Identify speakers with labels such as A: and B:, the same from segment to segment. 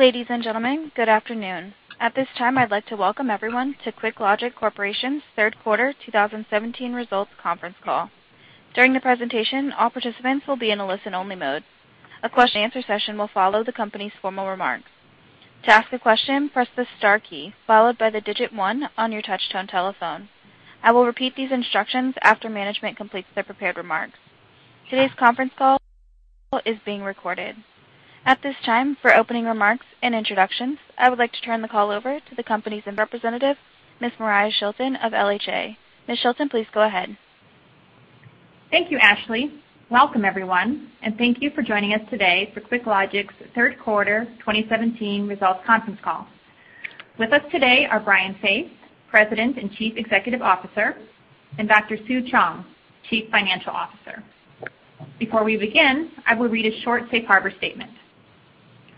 A: Ladies and gentlemen, good afternoon. At this time, I'd like to welcome everyone to QuickLogic Corporation's third quarter 2017 results conference call. During the presentation, all participants will be in a listen-only mode. A question and answer session will follow the company's formal remarks. To ask a question, press the star key, followed by the digit one on your touch-tone telephone. I will repeat these instructions after management completes their prepared remarks. Today's conference call is being recorded. At this time, for opening remarks and introductions, I would like to turn the call over to the company's representative, Ms. Mariah Shilton of LHA. Ms. Shilton, please go ahead.
B: Thank you, Ashley. Welcome everyone, and thank you for joining us today for QuickLogic's third quarter 2017 results conference call. With us today are Brian Faith, President and Chief Executive Officer, and Dr. Sue Cheung, Chief Financial Officer. Before we begin, I will read a short safe harbor statement.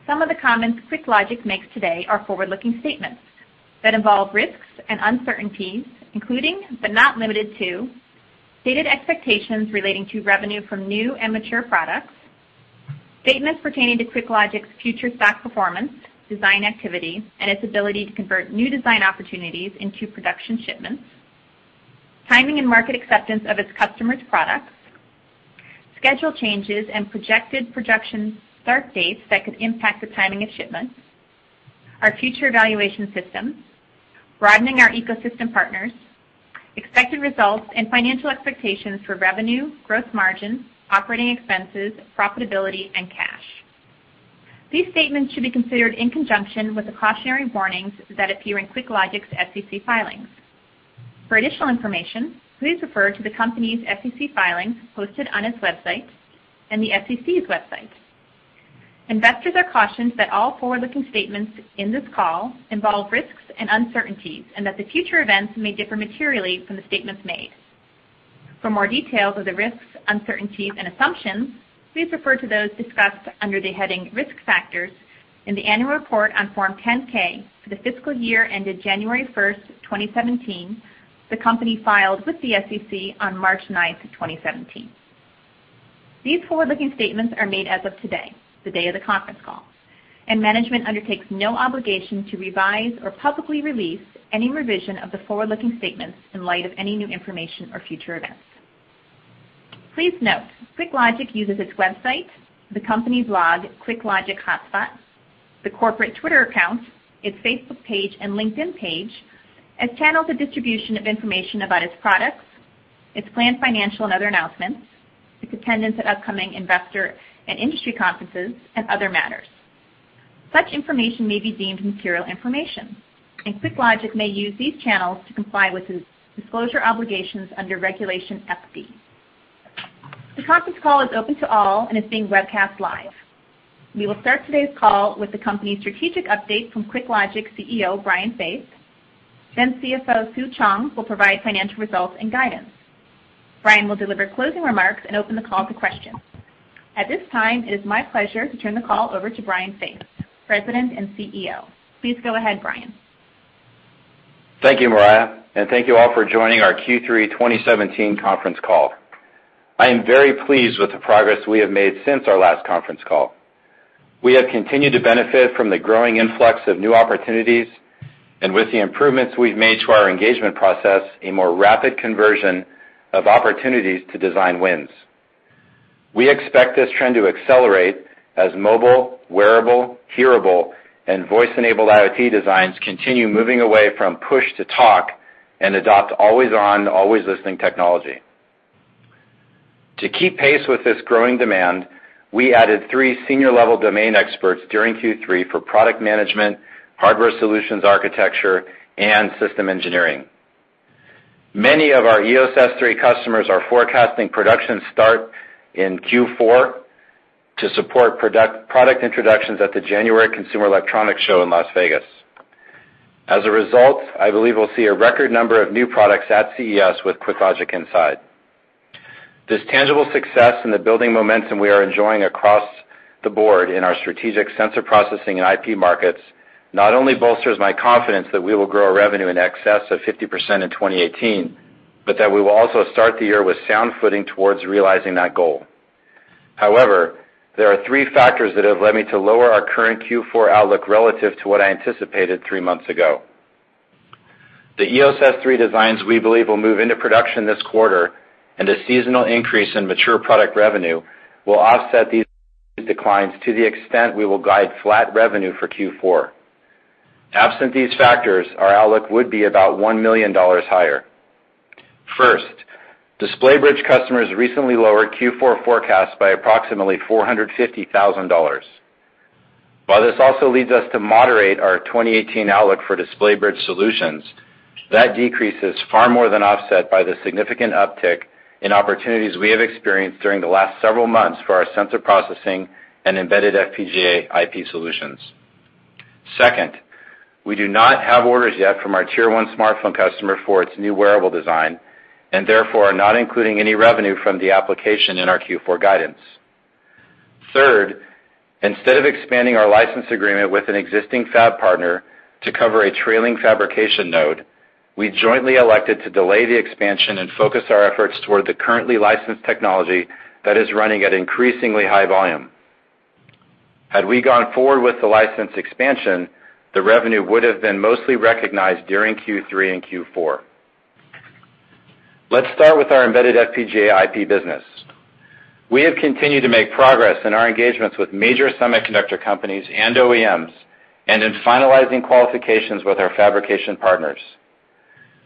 B: Some of the comments QuickLogic makes today are forward-looking statements that involve risks and uncertainties, including, but not limited to, stated expectations relating to revenue from new and mature products, statements pertaining to QuickLogic's future stock performance, design activity, and its ability to convert new design opportunities into production shipments, timing and market acceptance of its customers' products, schedule changes and projected production start dates that could impact the timing of shipments, our future evaluation systems, broadening our ecosystem partners, expected results and financial expectations for revenue, gross margin, operating expenses, profitability, and cash. These statements should be considered in conjunction with the cautionary warnings that appear in QuickLogic's SEC filings. For additional information, please refer to the company's SEC filings posted on its website and the SEC's website. Investors are cautioned that all forward-looking statements in this call involve risks and uncertainties, that the future events may differ materially from the statements made. For more details of the risks, uncertainties, and assumptions, please refer to those discussed under the heading Risk Factors in the annual report on Form 10-K for the fiscal year ended January 1st, 2017, the company filed with the SEC on March 9th, 2017. These forward-looking statements are made as of today, the day of the conference call, and management undertakes no obligation to revise or publicly release any revision of the forward-looking statements in light of any new information or future events. Please note, QuickLogic uses its website, the company's blog, QuickLogic Blog, the corporate Twitter account, its Facebook page, and LinkedIn page as channels of distribution of information about its products, its planned financial and other announcements, its attendance at upcoming investor and industry conferences, and other matters. Such information may be deemed material information, QuickLogic may use these channels to comply with its disclosure obligations under Regulation FD. The conference call is open to all and is being webcast live. We will start today's call with the company's strategic update from QuickLogic CEO, Brian Faith, then CFO Sue Cheung will provide financial results and guidance. Brian will deliver closing remarks and open the call to questions. At this time, it is my pleasure to turn the call over to Brian Faith, President and CEO. Please go ahead, Brian.
C: Thank you, Mariah, and thank you all for joining our Q3 2017 conference call. I am very pleased with the progress we have made since our last conference call. We have continued to benefit from the growing influx of new opportunities, and with the improvements we've made to our engagement process, a more rapid conversion of opportunities to design wins. We expect this trend to accelerate as mobile, wearable, hearable, and voice-enabled IoT designs continue moving away from push-to-talk and adopt always-on, always-listening technology. To keep pace with this growing demand, we added three senior-level domain experts during Q3 for product management, hardware solutions architecture, and system engineering. Many of our EOS S3 customers are forecasting production start in Q4 to support product introductions at the January Consumer Electronics Show in Las Vegas. As a result, I believe we'll see a record number of new products at CES with QuickLogic inside. This tangible success and the building momentum we are enjoying across the board in our strategic sensor processing and IP markets not only bolsters my confidence that we will grow our revenue in excess of 50% in 2018, but that we will also start the year with sound footing towards realizing that goal. However, there are three factors that have led me to lower our current Q4 outlook relative to what I anticipated three months ago. The EOS S3 designs we believe will move into production this quarter and a seasonal increase in mature product revenue will offset these declines to the extent we will guide flat revenue for Q4. Absent these factors, our outlook would be about $1 million higher. First, Display Bridge customers recently lowered Q4 forecast by approximately $450,000. While this also leads us to moderate our 2018 outlook for Display Bridge solutions, that decrease is far more than offset by the significant uptick in opportunities we have experienced during the last several months for our sensor processing and embedded FPGA IP solutions. Second, we do not have orders yet from our tier 1 smartphone customer for its new wearable design, and therefore are not including any revenue from the application in our Q4 guidance. Third, instead of expanding our license agreement with an existing fab partner to cover a trailing fabrication node. We jointly elected to delay the expansion and focus our efforts toward the currently licensed technology that is running at increasingly high volume. Had we gone forward with the license expansion, the revenue would have been mostly recognized during Q3 and Q4. Let's start with our embedded FPGA IP business. We have continued to make progress in our engagements with major semiconductor companies and OEMs, and in finalizing qualifications with our fabrication partners.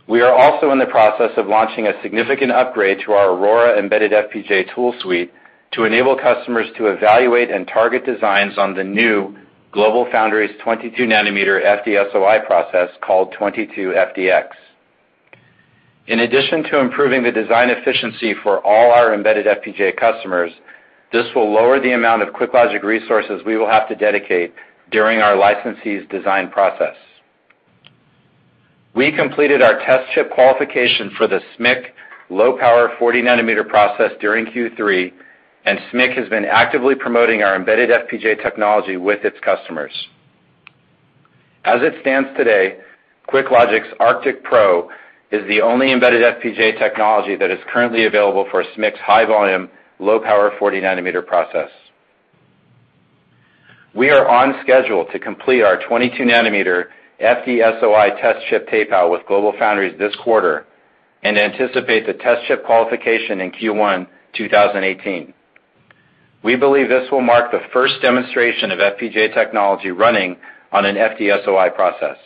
C: We are also in the process of launching a significant upgrade to our Aurora embedded FPGA tool suite to enable customers to evaluate and target designs on the new GlobalFoundries 22 nanometer FDSOI process called 22FDX. In addition to improving the design efficiency for all our embedded FPGA customers, this will lower the amount of QuickLogic resources we will have to dedicate during our licensee's design process. We completed our test chip qualification for the SMIC low-power 40 nanometer process during Q3, and SMIC has been actively promoting our embedded FPGA technology with its customers. As it stands today, QuickLogic's ArcticPro is the only embedded FPGA technology that is currently available for SMIC's high-volume, low-power 40 nanometer process. We are on schedule to complete our 22 nanometer FDSOI test chip tape out with GlobalFoundries this quarter, and anticipate the test chip qualification in Q1 2018. We believe this will mark the first demonstration of FPGA technology running on an FDSOI process.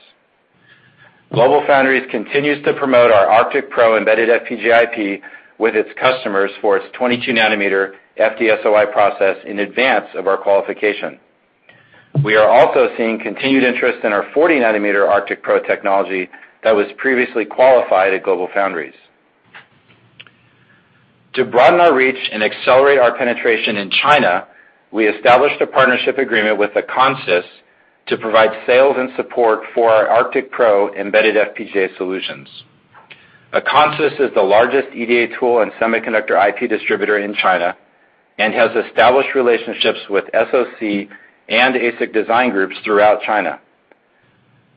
C: GlobalFoundries continues to promote our ArcticPro embedded FPGA IP with its customers for its 22 nanometer FDSOI process in advance of our qualification. We are also seeing continued interest in our 40 nanometer ArcticPro technology that was previously qualified at GlobalFoundries. To broaden our reach and accelerate our penetration in China, we established a partnership agreement with Aconsys to provide sales and support for our ArcticPro embedded FPGA solutions. Aconsys is the largest EDA tool and semiconductor IP distributor in China, and has established relationships with SoC and ASIC design groups throughout China.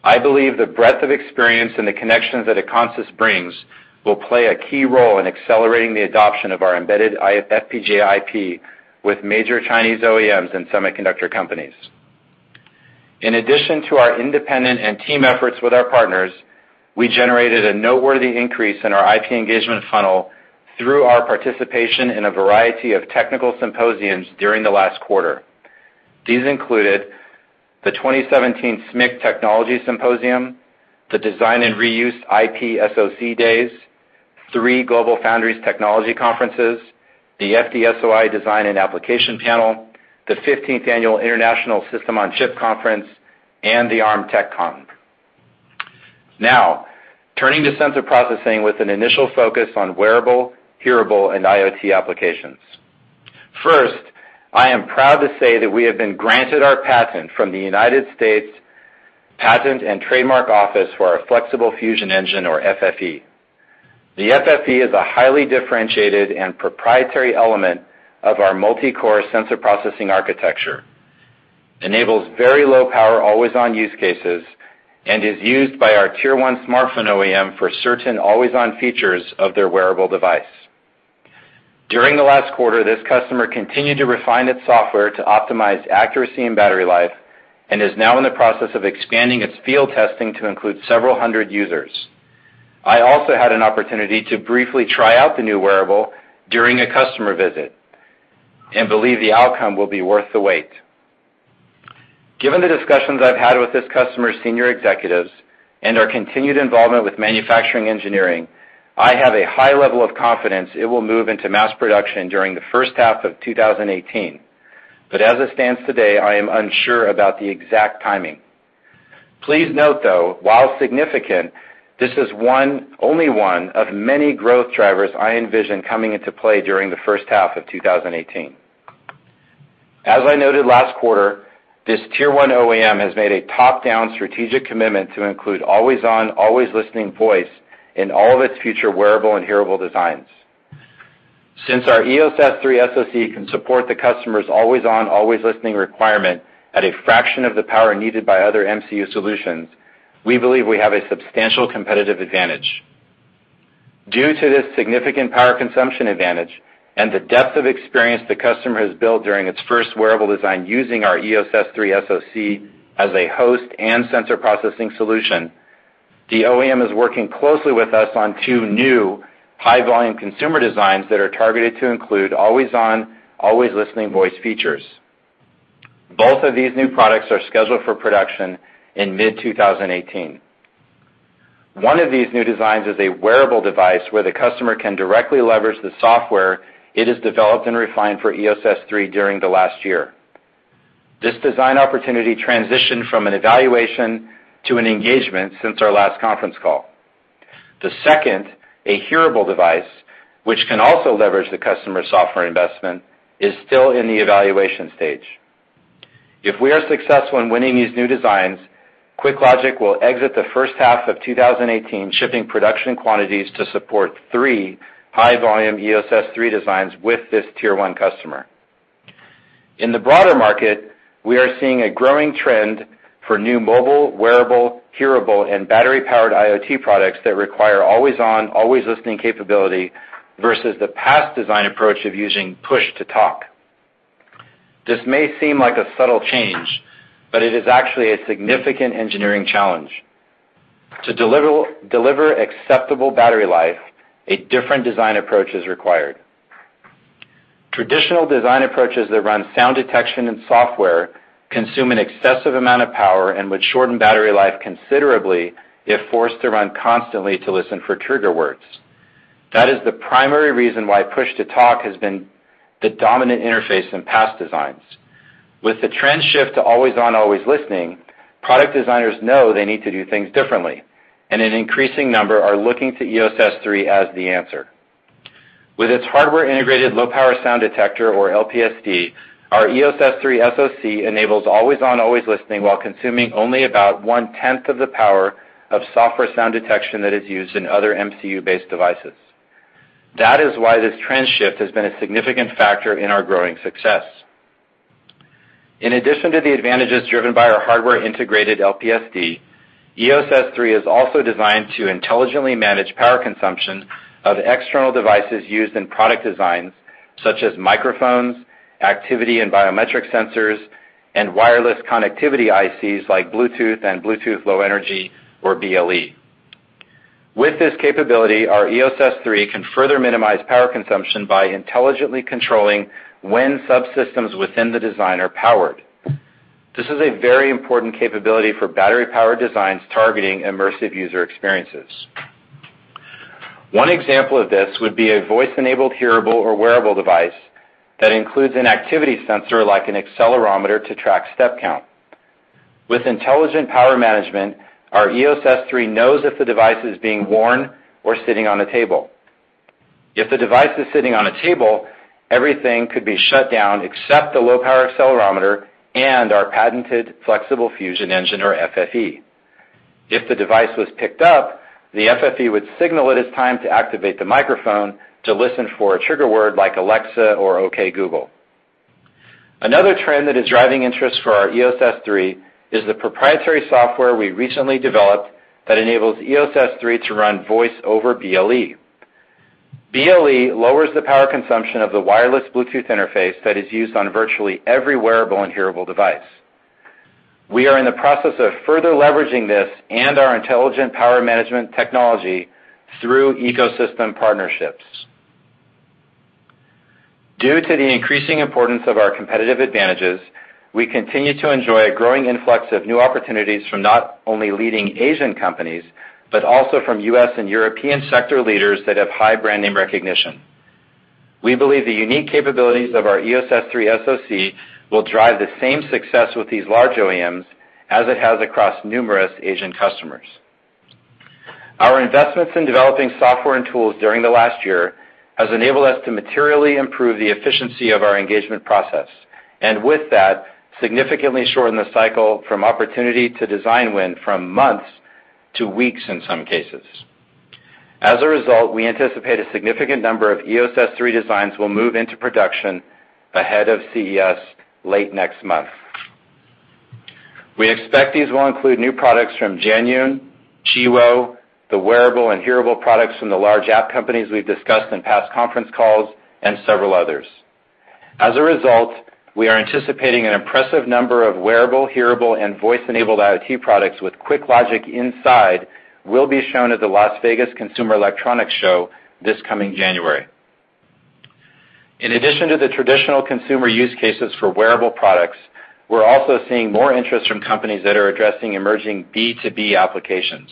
C: I believe the breadth of experience and the connections that Aconsys brings will play a key role in accelerating the adoption of our embedded FPGA IP with major Chinese OEMs and semiconductor companies. In addition to our independent and team efforts with our partners, we generated a noteworthy increase in our IP engagement funnel through our participation in a variety of technical symposiums during the last quarter. These included the 2017 SMIC Technology Symposium, the Design and Reuse IP-SoC Days, three GlobalFoundries technology conferences, the FD-SOI Design and Application Panel, the 15th International System-on-Chip (SoC) Conference, and the Arm TechCon. Turning to sensor processing with an initial focus on wearable, hearable, and IoT applications. First, I am proud to say that we have been granted our patent from the United States Patent and Trademark Office for our Flexible Fusion Engine, or FFE. The FFE is a highly differentiated and proprietary element of our multi-core sensor processing architecture, enables very low power always-on use cases, and is used by our tier 1 smartphone OEM for certain always-on features of their wearable device. During the last quarter, this customer continued to refine its software to optimize accuracy and battery life, and is now in the process of expanding its field testing to include several hundred users. I also had an opportunity to briefly try out the new wearable during a customer visit and believe the outcome will be worth the wait. Given the discussions I've had with this customer's senior executives and our continued involvement with manufacturing engineering, I have a high level of confidence it will move into mass production during the first half of 2018. As it stands today, I am unsure about the exact timing. Please note, though, while significant, this is only one of many growth drivers I envision coming into play during the first half of 2018. As I noted last quarter, this tier 1 OEM has made a top-down strategic commitment to include always-on, always-listening voice in all of its future wearable and hearable designs. Since our EOS S3 SoC can support the customer's always-on, always-listening requirement at a fraction of the power needed by other MCU solutions, we believe we have a substantial competitive advantage. Due to this significant power consumption advantage and the depth of experience the customer has built during its first wearable design using our EOS S3 SoC as a host and sensor processing solution, the OEM is working closely with us on two new high-volume consumer designs that are targeted to include always-on, always-listening voice features. Both of these new products are scheduled for production in mid-2018. One of these new designs is a wearable device where the customer can directly leverage the software it has developed and refined for EOS S3 during the last year. This design opportunity transitioned from an evaluation to an an engagement since our last conference call. The second, a hearable device, which can also leverage the customer's software investment, is still in the evaluation stage. If we are successful in winning these new designs, QuickLogic will exit the first half of 2018 shipping production quantities to support three high-volume EOS S3 designs with this tier 1 customer. In the broader market, we are seeing a growing trend for new mobile, wearable, hearable, and battery-powered IoT products that require always-on, always-listening capability versus the past design approach of using push-to-talk. This may seem like a subtle change, but it is actually a significant engineering challenge. To deliver acceptable battery life, a different design approach is required. Traditional design approaches that run sound detection and software consume an excessive amount of power and would shorten battery life considerably if forced to run constantly to listen for trigger words. That is the primary reason why push-to-talk has been the dominant interface in past designs. With the trend shift to always-on, always-listening, product designers know they need to do things differently, and an increasing number are looking to EOS S3 as the answer. With its hardware integrated low power sound detector, or LPSD, our EOS S3 SoC enables always-on, always-listening while consuming only about one-tenth of the power of software sound detection that is used in other MCU-based devices. That is why this trend shift has been a significant factor in our growing success. In addition to the advantages driven by our hardware integrated LPSD, EOS S3 is also designed to intelligently manage power consumption of external devices used in product designs, such as microphones, activity and biometric sensors, and wireless connectivity ICs, like Bluetooth and Bluetooth low energy, or BLE. With this capability, our EOS S3 can further minimize power consumption by intelligently controlling when subsystems within the design are powered. This is a very important capability for battery power designs targeting immersive user experiences. One example of this would be a voice-enabled hearable or wearable device that includes an activity sensor, like an accelerometer, to track step count. With intelligent power management, our EOS S3 knows if the device is being worn or sitting on a table. If the device is sitting on a table, everything could be shut down except the low power accelerometer and our patented Flexible Fusion Engine, or FFE. If the device was picked up, the FFE would signal it is time to activate the microphone to listen for a trigger word like Alexa or Okay Google. Another trend that is driving interest for our EOS S3 is the proprietary software we recently developed that enables EOS S3 to run voice over BLE. BLE lowers the power consumption of the wireless Bluetooth interface that is used on virtually every wearable and hearable device. We are in the process of further leveraging this and our intelligent power management technology through ecosystem partnerships. Due to the increasing importance of our competitive advantages, we continue to enjoy a growing influx of new opportunities from not only leading Asian companies, but also from U.S. and European sector leaders that have high brand name recognition. We believe the unique capabilities of our EOS S3 SoC will drive the same success with these large OEMs as it has across numerous Asian customers. Our investments in developing software and tools during the last year has enabled us to materially improve the efficiency of our engagement process, and with that, significantly shorten the cycle from opportunity to design win from months to weeks in some cases. As a result, we anticipate a significant number of EOS S3 designs will move into production ahead of CES late next month. We expect these will include new products from Janyun, Gewu, the wearable and hearable products from the large app companies we've discussed in past conference calls, and several others. As a result, we are anticipating an impressive number of wearable, hearable, and voice-enabled IoT products with QuickLogic inside will be shown at the Las Vegas Consumer Electronics Show this coming January. In addition to the traditional consumer use cases for wearable products, we're also seeing more interest from companies that are addressing emerging B2B applications.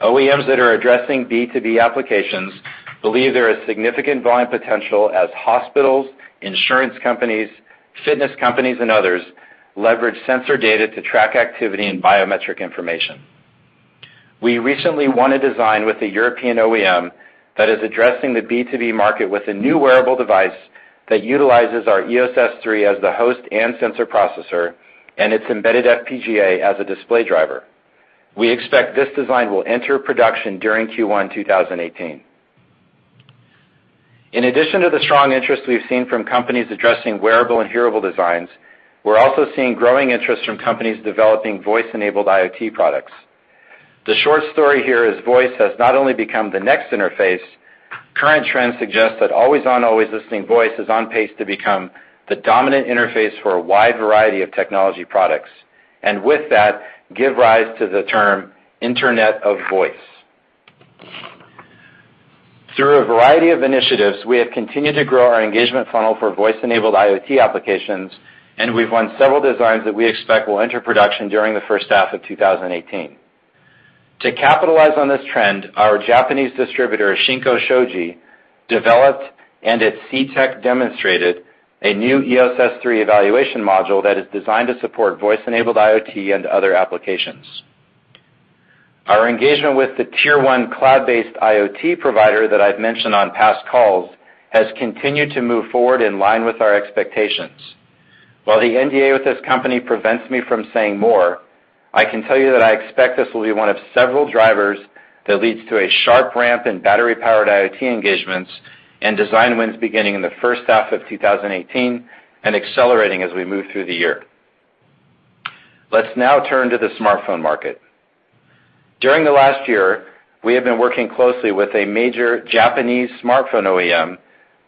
C: OEMs that are addressing B2B applications believe there is significant volume potential as hospitals, insurance companies, fitness companies, and others leverage sensor data to track activity and biometric information. We recently won a design with a European OEM that is addressing the B2B market with a new wearable device that utilizes our EOS S3 as the host and sensor processor and its embedded FPGA as a display driver. We expect this design will enter production during Q1 2018. In addition to the strong interest we've seen from companies addressing wearable and hearable designs, we're also seeing growing interest from companies developing voice-enabled IoT products. The short story here is voice has not only become the next interface, current trends suggest that always-on, always-listening voice is on pace to become the dominant interface for a wide variety of technology products, and with that, give rise to the term Internet of Voice. Through a variety of initiatives, we have continued to grow our engagement funnel for voice-enabled IoT applications, and we've won several designs that we expect will enter production during the first half of 2018. To capitalize on this trend, our Japanese distributor, Shinko Shoji, developed and at CEATEC demonstrated a new EOS S3 evaluation module that is designed to support voice-enabled IoT and other applications. Our engagement with the tier 1 cloud-based IoT provider that I've mentioned on past calls has continued to move forward in line with our expectations. While the NDA with this company prevents me from saying more I can tell you that I expect this will be one of several drivers that leads to a sharp ramp in battery-powered IoT engagements and design wins beginning in the first half of 2018, and accelerating as we move through the year. Let's now turn to the smartphone market. During the last year, we have been working closely with a major Japanese smartphone OEM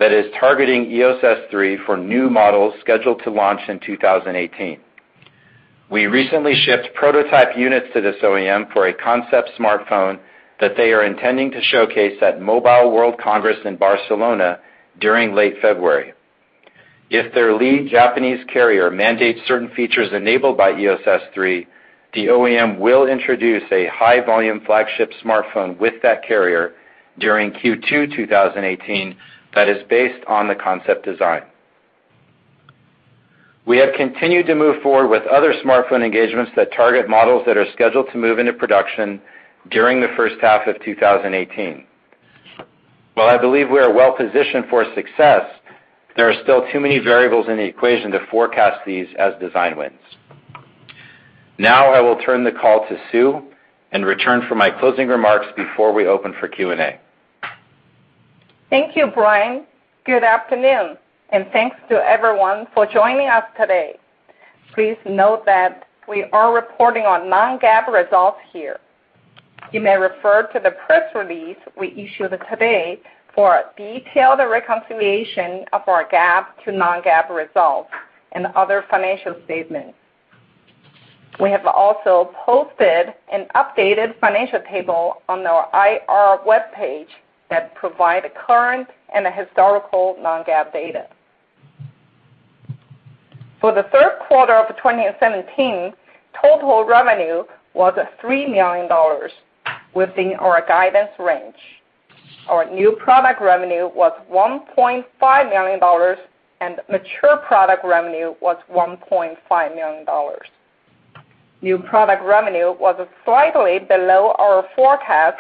C: that is targeting EOS S3 for new models scheduled to launch in 2018. We recently shipped prototype units to this OEM for a concept smartphone that they are intending to showcase at Mobile World Congress in Barcelona during late February. If their lead Japanese carrier mandates certain features enabled by EOS S3, the OEM will introduce a high-volume flagship smartphone with that carrier during Q2 2018 that is based on the concept design. We have continued to move forward with other smartphone engagements that target models that are scheduled to move into production during the first half of 2018. While I believe we are well-positioned for success, there are still too many variables in the equation to forecast these as design wins. I will turn the call to Sue and return for my closing remarks before we open for Q&A.
D: Thank you, Brian. Good afternoon, thanks to everyone for joining us today. Please note that we are reporting on non-GAAP results here. You may refer to the press release we issued today for a detailed reconciliation of our GAAP to non-GAAP results and other financial statements. We have also posted an updated financial table on our IR webpage that provide current and historical non-GAAP data. For the third quarter of 2017, total revenue was $3 million within our guidance range. Our new product revenue was $1.5 million, mature product revenue was $1.5 million. New product revenue was slightly below our forecast.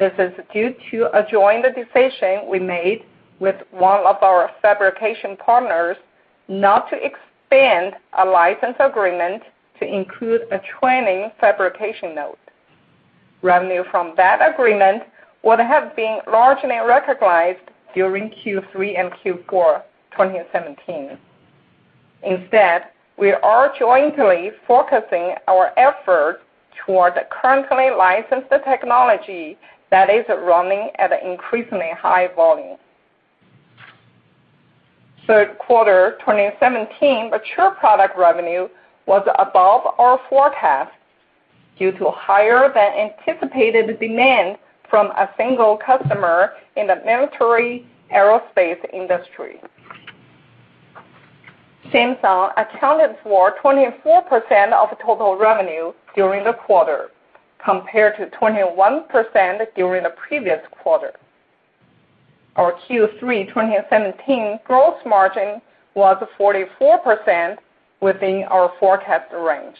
D: This is due to a joint decision we made with one of our fabrication partners not to extend a license agreement to include a trailing fabrication node. Revenue from that agreement would have been largely recognized during Q3 and Q4 2017. We are jointly focusing our effort toward the currently licensed technology that is running at increasingly high volume. Third quarter 2017 mature product revenue was above our forecast due to higher than anticipated demand from a single customer in the military-aerospace industry. Samsung accounted for 24% of total revenue during the quarter, compared to 21% during the previous quarter. Our Q3 2017 gross margin was 44% within our forecasted range.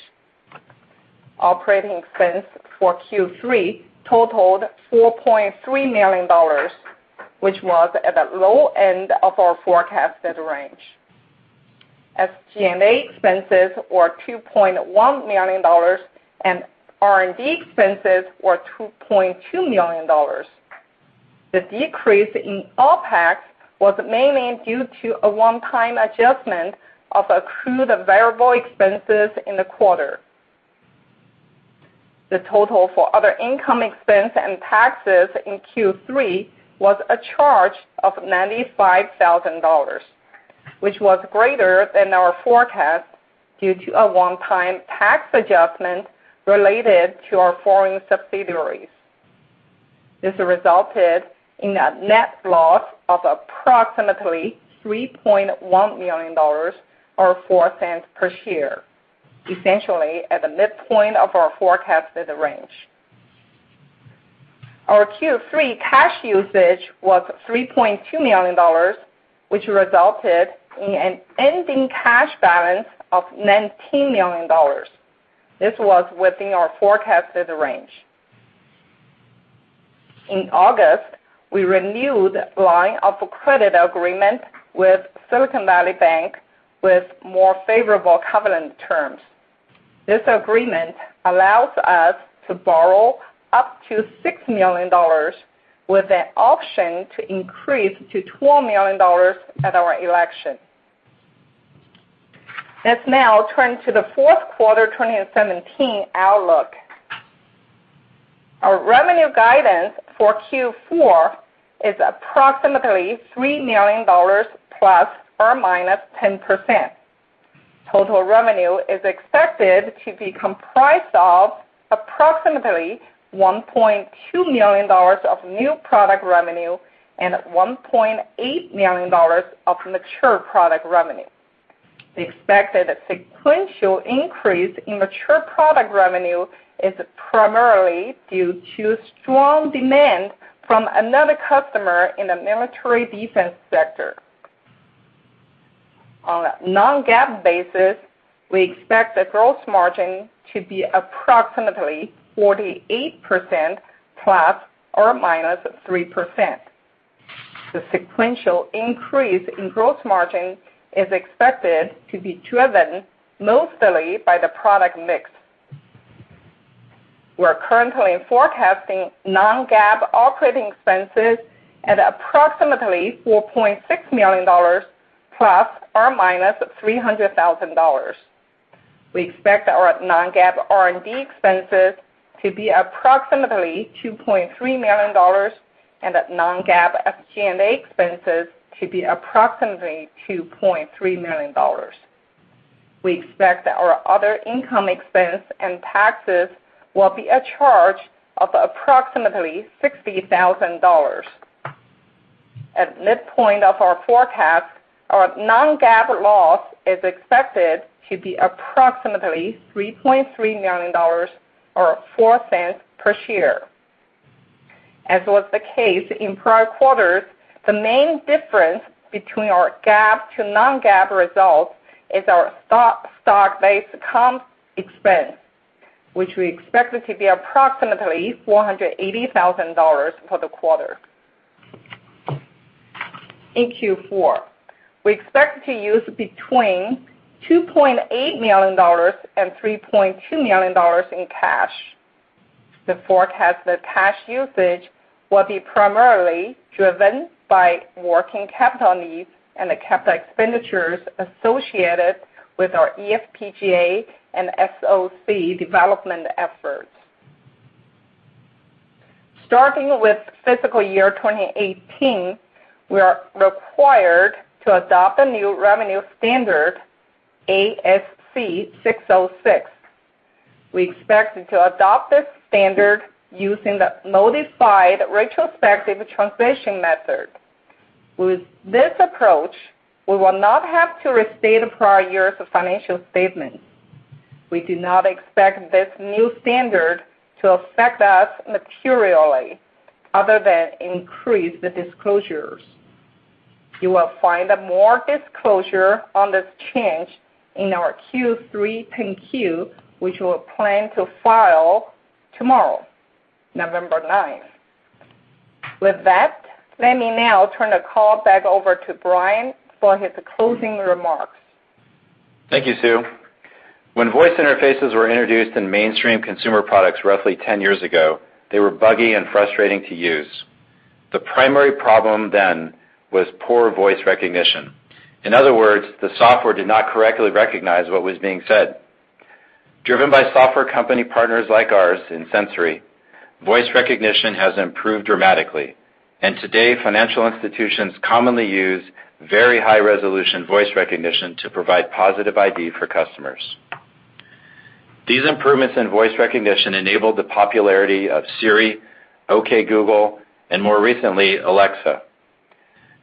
D: Operating expense for Q3 totaled $4.3 million, which was at the low end of our forecasted range. SG&A expenses were $2.1 million, R&D expenses were $2.2 million. The decrease in OPEX was mainly due to a one-time adjustment of accrued variable expenses in the quarter. The total for other income expense and taxes in Q3 was a charge of $95,000, which was greater than our forecast due to a one-time tax adjustment related to our foreign subsidiaries. This resulted in a net loss of approximately $3.1 million, or $0.04 per share, essentially at the midpoint of our forecasted range. Our Q3 cash usage was $3.2 million, which resulted in an ending cash balance of $19 million. This was within our forecasted range. In August, we renewed line of credit agreement with Silicon Valley Bank with more favorable covenant terms. This agreement allows us to borrow up to $6 million with an option to increase to $12 million at our election. Let's now turn to the fourth quarter 2017 outlook. Our revenue guidance for Q4 is approximately $3 million, plus or minus 10%. Total revenue is expected to be comprised of approximately $1.2 million of new product revenue and $1.8 million of mature product revenue. The expected sequential increase in mature product revenue is primarily due to strong demand from another customer in the military defense sector. On a non-GAAP basis, we expect the gross margin to be approximately 48%, plus or minus 3%. The sequential increase in gross margin is expected to be driven mostly by the product mix. We are currently forecasting non-GAAP operating expenses at approximately $4.6 million plus or minus $300,000. We expect our non-GAAP R&D expenses to be approximately $2.3 million, and that non-GAAP SG&A expenses to be approximately $2.3 million. We expect that our other income expense and taxes will be a charge of approximately $60,000. At midpoint of our forecast, our non-GAAP loss is expected to be approximately $3.3 million or $0.04 per share. As was the case in prior quarters, the main difference between our GAAP to non-GAAP results is our stock-based comp expense, which we expected to be approximately $480,000 for the quarter. In Q4, we expect to use between $2.8 million and $3.2 million in cash. The forecasted cash usage will be primarily driven by working capital needs and the capital expenditures associated with our eFPGA and SoC development efforts. Starting with fiscal year 2018, we are required to adopt a new revenue standard, ASC 606. We expect to adopt this standard using the modified retrospective transition method. With this approach, we will not have to restate a prior year's financial statement. We do not expect this new standard to affect us materially other than increase the disclosures. You will find more disclosure on this change in our Q3 10-Q, which we plan to file tomorrow, November 9th. With that, let me now turn the call back over to Brian for his closing remarks.
C: Thank you, Sue. When voice interfaces were introduced in mainstream consumer products roughly 10 years ago, they were buggy and frustrating to use. The primary problem then was poor voice recognition. In other words, the software did not correctly recognize what was being said. Driven by software company partners like ours in Sensory, voice recognition has improved dramatically, and today financial institutions commonly use very high-resolution voice recognition to provide positive ID for customers. These improvements in voice recognition enabled the popularity of Siri, OK Google, and more recently, Alexa.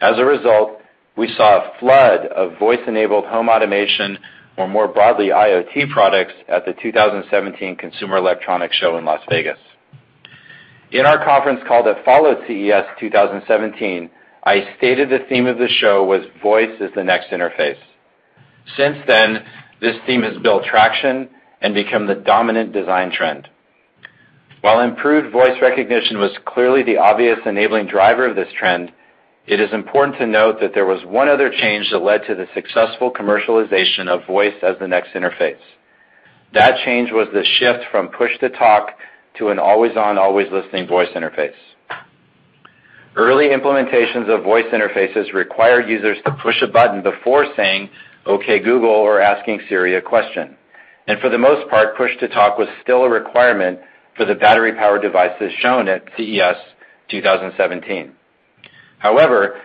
C: As a result, we saw a flood of voice-enabled home automation or more broadly, IoT products at the 2017 Consumer Electronics Show in Las Vegas. In our conference call that followed CES 2017, I stated the theme of the show was Voice is the Next Interface. Since then, this theme has built traction and become the dominant design trend. While improved voice recognition was clearly the obvious enabling driver of this trend, it is important to note that there was one other change that led to the successful commercialization of voice as the next interface. That change was the shift from push-to-talk to an always-on, always-listening voice interface. Early implementations of voice interfaces required users to push a button before saying, "OK Google" or asking Siri a question. For the most part, push-to-talk was still a requirement for the battery-powered devices shown at CES 2017. However,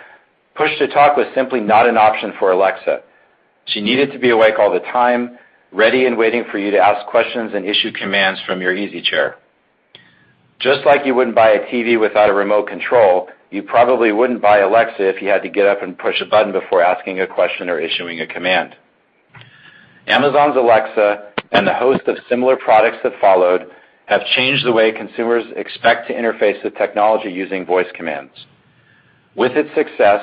C: push-to-talk was simply not an option for Alexa. She needed to be awake all the time, ready and waiting for you to ask questions and issue commands from your easy chair. Just like you wouldn't buy a TV without a remote control, you probably wouldn't buy Alexa if you had to get up and push a button before asking a question or issuing a command. Amazon's Alexa and the host of similar products that followed have changed the way consumers expect to interface with technology using voice commands. With its success,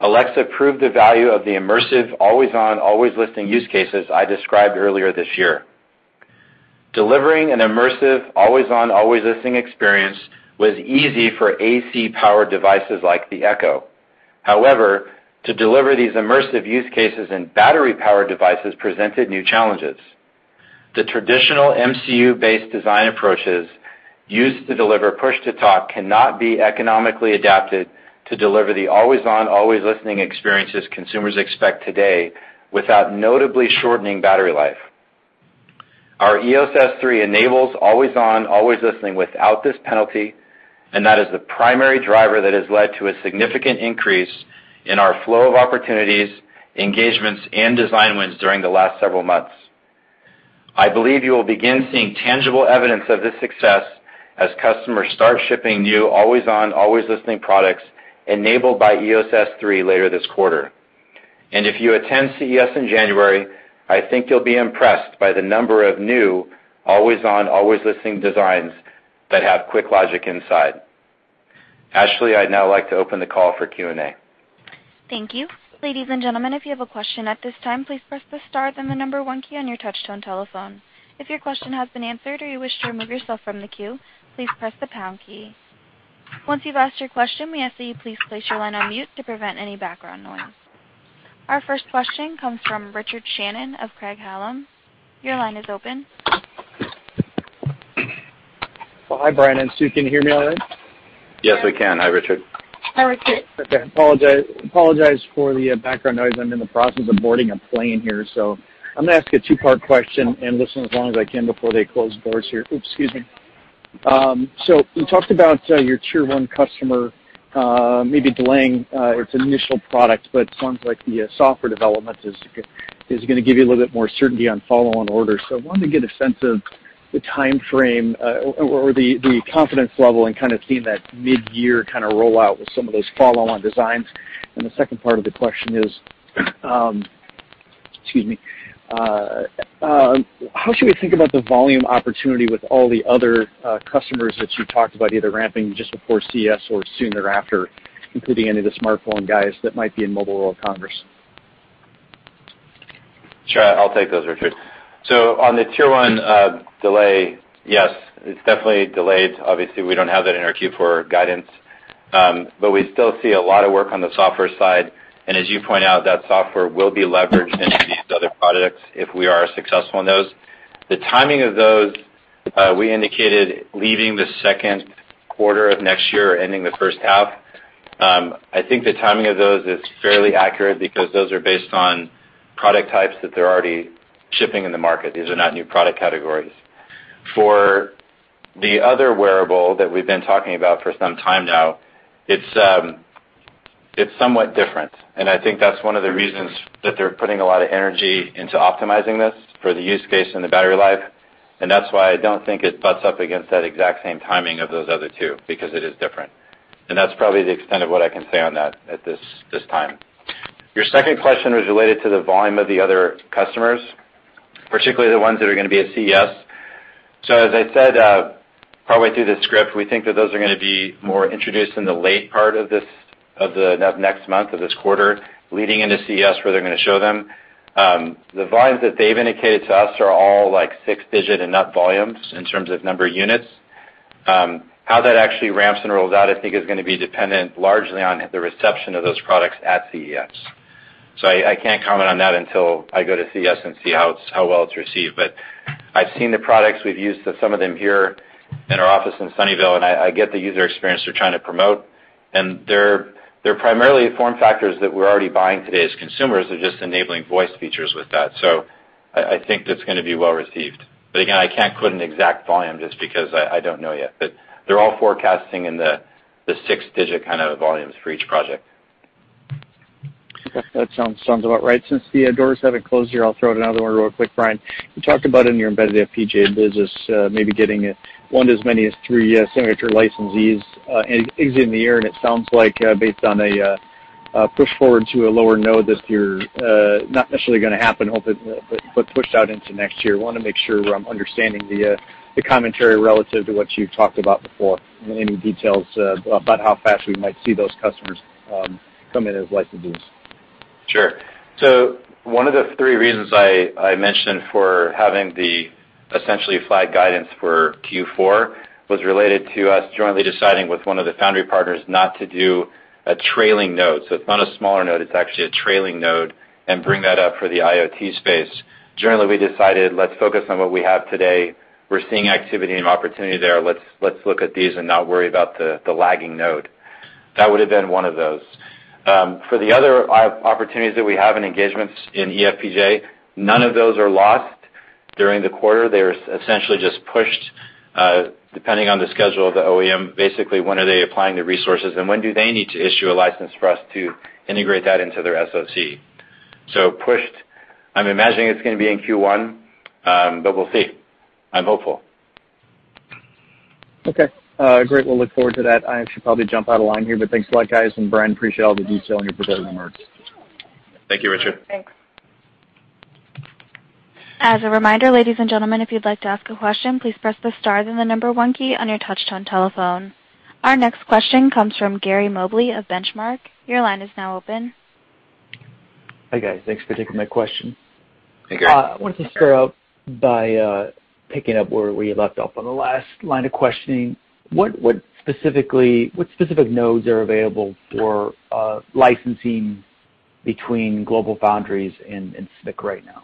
C: Alexa proved the value of the immersive, always-on, always-listening use cases I described earlier this year. Delivering an immersive, always-on, always-listening experience was easy for AC-powered devices like the Echo. However, to deliver these immersive use cases in battery-powered devices presented new challenges. The traditional MCU-based design approaches used to deliver push-to-talk cannot be economically adapted to deliver the always-on, always-listening experiences consumers expect today without notably shortening battery life. Our EOS S3 enables always-on, always-listening without this penalty, that is the primary driver that has led to a significant increase in our flow of opportunities, engagements, and design wins during the last several months. I believe you will begin seeing tangible evidence of this success as customers start shipping new always-on, always-listening products enabled by EOS S3 later this quarter. If you attend CES in January, I think you'll be impressed by the number of new always-on, always-listening designs that have QuickLogic inside. Ashley, I'd now like to open the call for Q&A.
A: Thank you. Ladies and gentlemen, if you have a question at this time, please press the star, then the number one key on your touch-tone telephone. If your question has been answered or you wish to remove yourself from the queue, please press the pound key. Once you've asked your question, we ask that you please place your line on mute to prevent any background noise. Our first question comes from Richard Shannon of Craig-Hallum. Your line is open.
E: Hi, Brian and Sue, can you hear me all right?
C: Yes, we can. Hi, Richard.
A: Hi, Richard.
E: Okay. I apologize for the background noise. I'm in the process of boarding a plane here. I'm going to ask a two-part question and listen as long as I can before they close the boards here. Oops, excuse me. You talked about your tier 1 customer, maybe delaying its initial product, but it sounds like the software development is going to give you a little bit more certainty on follow-on orders. I wanted to get a sense of the time frame, or the confidence level and kind of seeing that mid-year kind of rollout with some of those follow-on designs. The second part of the question is, excuse me, how should we think about the volume opportunity with all the other customers that you talked about, either ramping just before CES or soon thereafter, including any of the smartphone guys that might be in Mobile World Congress?
C: Sure. I'll take those, Richard. On the tier 1 delay, yes, it's definitely delayed. Obviously, we don't have that in our Q4 guidance. We still see a lot of work on the software side. As you point out, that software will be leveraged into these other products if we are successful in those. The timing of those, we indicated leaving the second quarter of next year or ending the first half. I think the timing of those is fairly accurate because those are based on product types that they're already shipping in the market. These are not new product categories. For the other wearable that we've been talking about for some time now, it's somewhat different, and I think that's one of the reasons that they're putting a lot of energy into optimizing this for the use case and the battery life. That's why I don't think it butts up against that exact same timing of those other two, because it is different. That's probably the extent of what I can say on that at this time. Your second question was related to the volume of the other customers, particularly the ones that are going to be at CES. As I said, probably through the script, we think that those are going to be more introduced in the late part of next month, of this quarter, leading into CES, where they're going to show them. The volumes that they've indicated to us are all 6-digit and up volumes in terms of number of units. How that actually ramps and rolls out, I think is going to be dependent largely on the reception of those products at CES. I can't comment on that until I go to CES and see how well it's received. I've seen the products. We've used some of them here in our office in Sunnyvale, and I get the user experience they're trying to promote, and they're primarily form factors that we're already buying today as consumers. They're just enabling voice features with that. I think that's going to be well received. Again, I can't quote an exact volume just because I don't know yet. They're all forecasting in the 6-digit kind of volumes for each project.
E: Okay. That sounds about right. Since the doors haven't closed here, I'll throw out another one real quick, Brian. You talked about in your embedded FPGA business, maybe getting one to as many as three signature licensees exiting the year, and it sounds like based on a push forward to a lower node this year, not necessarily going to happen, hopefully, but pushed out into next year. Want to make sure I'm understanding the commentary relative to what you've talked about before and any details about how fast we might see those customers come in as licensees.
C: Sure. One of the 3 reasons I mentioned for having the essentially flat guidance for Q4 was related to us jointly deciding with one of the foundry partners not to do a trailing node. It's not a smaller node, it's actually a trailing node, and bring that up for the IoT space. Generally, we decided, let's focus on what we have today. We're seeing activity and opportunity there. Let's look at these and not worry about the lagging node. That would have been one of those. For the other opportunities that we have in engagements in eFPGA, none of those are lost during the quarter. They're essentially just pushed, depending on the schedule of the OEM. Basically, when are they applying the resources and when do they need to issue a license for us to integrate that into their SoC? Pushed, I'm imagining it's going to be in Q1. We'll see. I'm hopeful.
E: Okay, great. We'll look forward to that. I should probably jump out of line here, thanks a lot, guys. Brian, appreciate all the detail on your presenting the remarks.
C: Thank you, Richard.
A: Thanks. As a reminder, ladies and gentlemen, if you'd like to ask a question, please press the star, then the number 1 key on your touch-tone telephone. Our next question comes from Gary Mobley of Benchmark. Your line is now open.
F: Hi, guys. Thanks for taking my question.
C: Hey, Gary.
F: I wanted to start out by picking up where we left off on the last line of questioning. What specific nodes are available for licensing between GlobalFoundries and SMIC right now?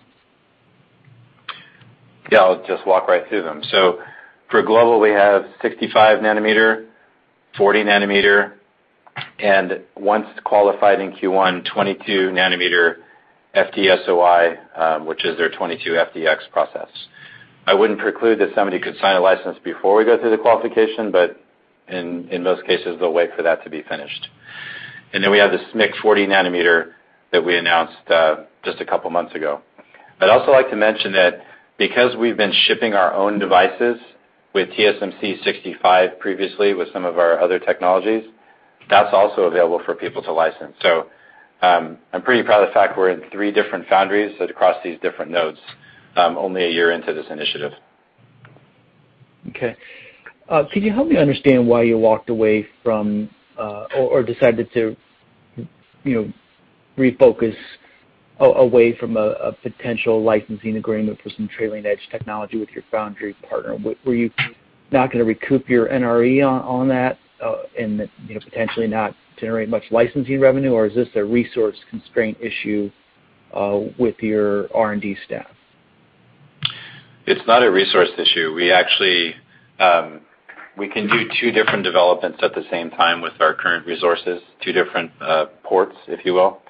C: I'll just walk right through them. For GlobalFoundries, we have 65 nanometer, 40 nanometer, and once qualified in Q1, 22 nanometer FDSOI, which is their 22FDX process. I wouldn't preclude that somebody could sign a license before we go through the qualification, but in most cases, they'll wait for that to be finished. We have the SMIC 40 nanometer that we announced just a couple of months ago. I'd also like to mention that because we've been shipping our own devices with TSMC 65 previously with some of our other technologies, that's also available for people to license. I'm pretty proud of the fact we're in three different foundries that across these different nodes only a year into this initiative.
F: Okay. Could you help me understand why you walked away from, or decided to refocus away from a potential licensing agreement for some trailing edge technology with your foundry partner? Were you not going to recoup your NRE on that, and potentially not generate much licensing revenue, or is this a resource constraint issue with your R&D staff?
C: It's not a resource issue. We can do two different developments at the same time with our current resources, two different ports, if you will.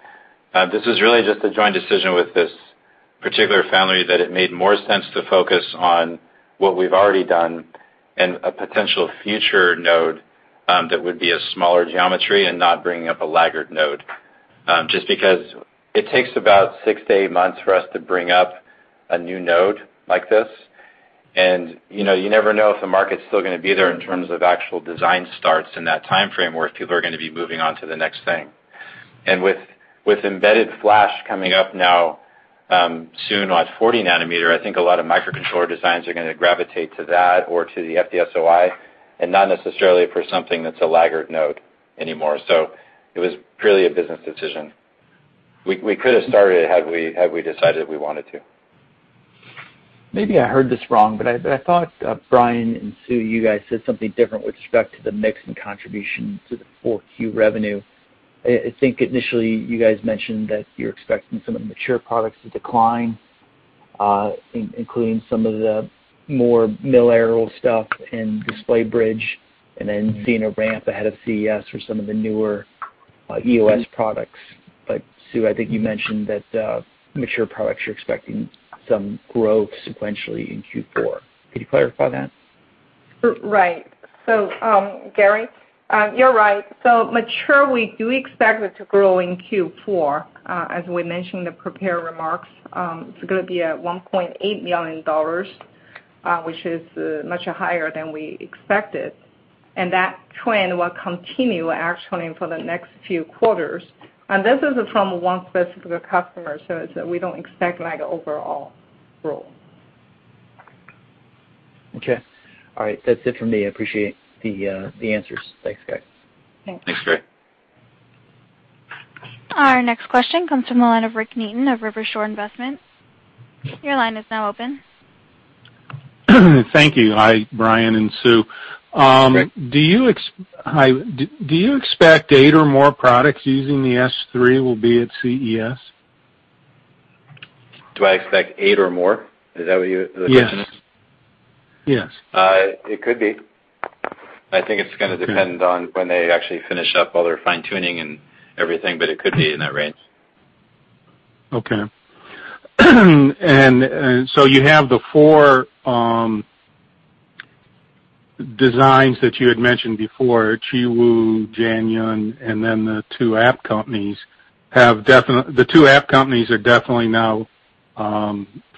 C: This was really just a joint decision with this particular foundry that it made more sense to focus on what we've already done and a potential future node that would be a smaller geometry and not bringing up a laggard node, just because it takes about six to eight months for us to bring up a new node like this. You never know if the market's still going to be there in terms of actual design starts in that timeframe, or if people are going to be moving on to the next thing. With embedded flash coming up now soon on 40 nanometer, I think a lot of microcontroller designs are going to gravitate to that or to the FDSOI, and not necessarily for something that's a laggard node anymore. It was purely a business decision. We could have started it had we decided we wanted to.
F: Maybe I heard this wrong, but I thought, Brian and Sue, you guys said something different with respect to the mix and contribution to the 4Q revenue. I think initially you guys mentioned that you're expecting some of the mature products to decline, including some of the more mil-aero stuff and Display Bridge, and then seeing a ramp ahead of CES for some of the newer EOS products. Sue, I think you mentioned that mature products, you're expecting some growth sequentially in Q4. Could you clarify that?
D: Right. Gary, you're right. Mature, we do expect it to grow in Q4. As we mentioned in the prepared remarks, it's going to be at $1.8 million, which is much higher than we expected, and that trend will continue actually for the next few quarters. This is from one specific customer, so we don't expect overall growth.
F: Okay. All right. That's it from me. I appreciate the answers. Thanks, guys.
D: Thanks.
C: Thanks, Gary.
A: Our next question comes from the line of Rick Neaton of River Shore Investments. Your line is now open.
G: Thank you. Hi, Brian and Sue.
C: Rick.
G: Do you expect eight or more products using the S3 will be at CES?
C: Do I expect eight or more? Is that what you're asking?
G: Yes.
C: It could be. I think it's going to depend on when they actually finish up all their fine-tuning and everything, but it could be in that range.
G: Okay. You have the four designs that you had mentioned before, Chuwi, Janyun, and then the two app companies. The two app companies are definitely now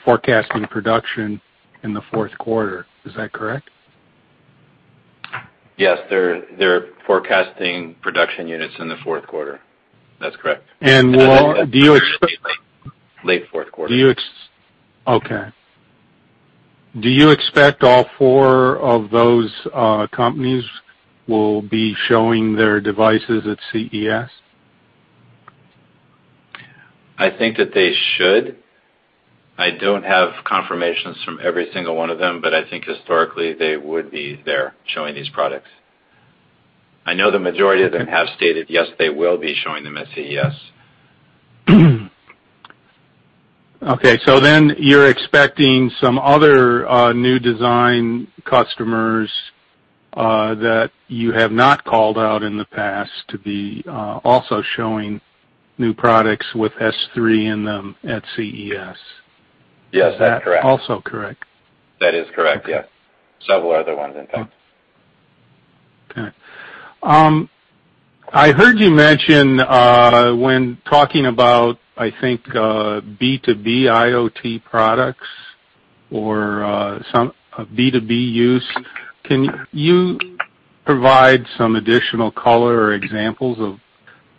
G: forecasting production in the fourth quarter. Is that correct?
C: Yes. They're forecasting production units in the fourth quarter. That's correct.
G: More, do you
C: Late fourth quarter.
G: Do you expect all four of those companies will be showing their devices at CES?
C: I think that they should. I don't have confirmations from every single one of them, but I think historically they would be there showing these products. I know the majority of them have stated, yes, they will be showing them at CES.
G: You're expecting some other new design customers that you have not called out in the past to be also showing new products with S3 in them at CES.
C: Yes, that's correct.
G: Is that also correct?
C: That is correct, yes. Several other ones, in fact.
G: Okay. I heard you mention when talking about, I think, B2B IoT products or B2B use, can you provide some additional color or examples of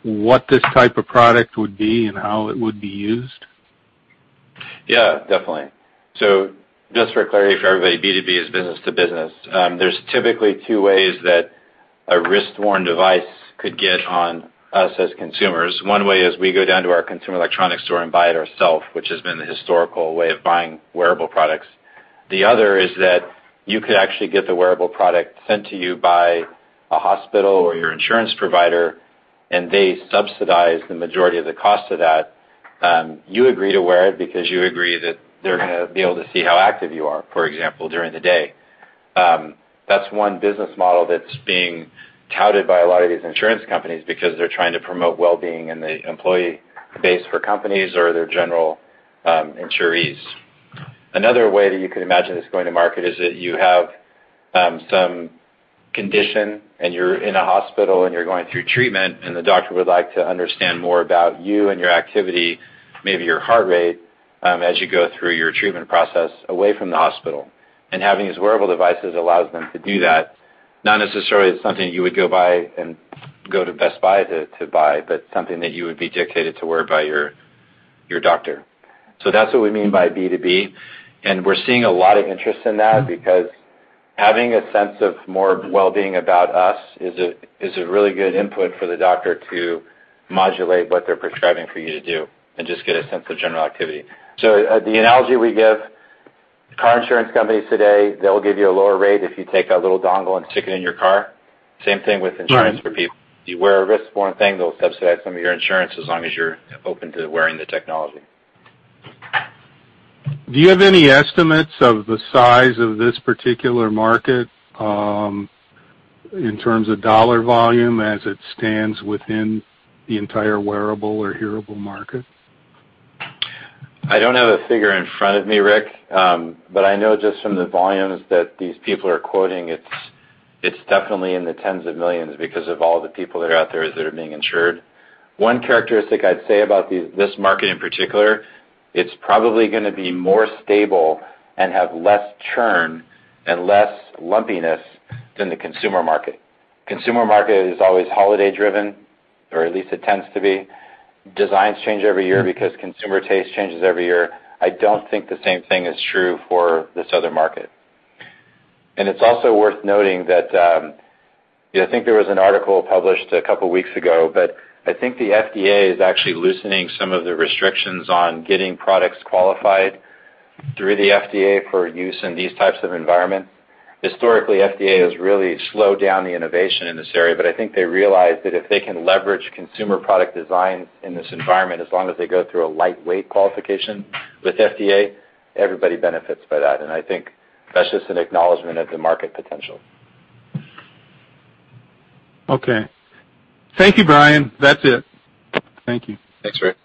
G: what this type of product would be and how it would be used?
C: Yeah, definitely. Just for clarity for everybody, B2B is business to business. There is typically two ways that a wrist-worn device could get on us as consumers. One way is we go down to our consumer electronics store and buy it ourself, which has been the historical way of buying wearable products. The other is that you could actually get the wearable product sent to you by a hospital or your insurance provider, and they subsidize the majority of the cost of that. You agree to wear it because you agree that they are going to be able to see how active you are, for example, during the day. That is one business model that is being touted by a lot of these insurance companies because they are trying to promote wellbeing in the employee base for companies or their general insurers. Another way that you could imagine this going to market is that you have some condition and you are in a hospital and you are going through treatment, and the doctor would like to understand more about you and your activity, maybe your heart rate, as you go through your treatment process away from the hospital. Having these wearable devices allows them to do that. Not necessarily something you would go to Best Buy to buy, but something that you would be dictated to wear by your doctor. That is what we mean by B2B, and we are seeing a lot of interest in that because having a sense of more wellbeing about us is a really good input for the doctor to modulate what they are prescribing for you to do and just get a sense of general activity. The analogy we give, car insurance companies today, they will give you a lower rate if you take a little dongle and stick it in your car. Same thing with insurance for people. You wear a wrist-worn thing, they will subsidize some of your insurance as long as you are open to wearing the technology.
G: Do you have any estimates of the size of this particular market, in terms of dollar volume as it stands within the entire wearable or hearable market?
C: I don't have a figure in front of me, Rick. I know just from the volumes that these people are quoting, it's definitely in the tens of millions because of all the people that are out there that are being insured. One characteristic I'd say about this market in particular, it's probably gonna be more stable and have less churn and less lumpiness than the consumer market. Consumer market is always holiday-driven, or at least it tends to be. Designs change every year because consumer taste changes every year. I don't think the same thing is true for this other market. It's also worth noting that, I think there was an article published a couple of weeks ago, I think the FDA is actually loosening some of the restrictions on getting products qualified through the FDA for use in these types of environments. Historically, FDA has really slowed down the innovation in this area, I think they realize that if they can leverage consumer product designs in this environment, as long as they go through a lightweight qualification with FDA, everybody benefits by that. I think that's just an acknowledgement of the market potential.
G: Okay. Thank you, Brian. That's it. Thank you.
C: Thanks, Rick.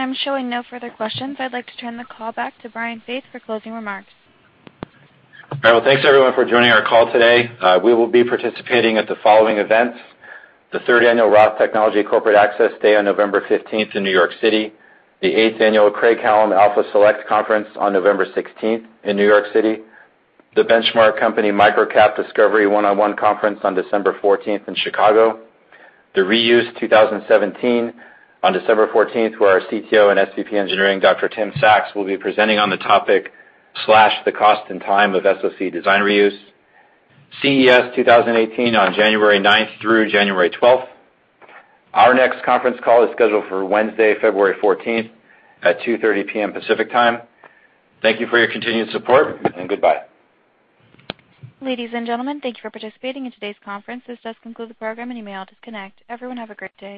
A: I'm showing no further questions. I'd like to turn the call back to Brian Faith for closing remarks.
C: All right. Well, thanks everyone for joining our call today. We will be participating at the following events: the Third Annual Roth Technology Corporate Access Day on November 15th in New York City, the Eighth Annual Craig-Hallum Alpha Select Conference on November 16th in New York City, the Benchmark Company MicroCap Discovery One-on-One Conference on December 14th in Chicago, the Reuse 2017 on December 14th, where our CTO and SVP Engineering, Dr. Tim Saxe, will be presenting on the topic Slash the Cost and Time of SoC Design Reuse, CES 2018 on January 9th through January 12th. Our next conference call is scheduled for Wednesday, February 14th, at 2:30 P.M. Pacific Time. Thank you for your continued support, and goodbye.
A: Ladies and gentlemen, thank you for participating in today's conference. This does conclude the program, and you may all disconnect. Everyone, have a great day.